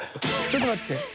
ちょっと待って。